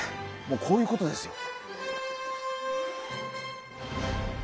もうこういうことですよ。